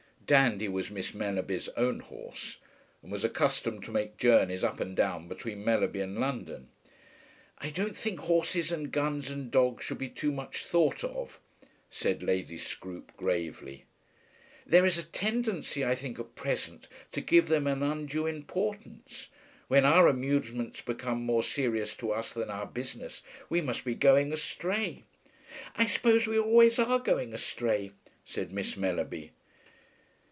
Dandy was Miss Mellerby's own horse, and was accustomed to make journeys up and down between Mellerby and London. "I don't think horses and guns and dogs should be too much thought of," said Lady Scroope gravely. "There is a tendency I think at present to give them an undue importance. When our amusements become more serious to us than our business, we must be going astray." "I suppose we always are going astray," said Miss Mellerby.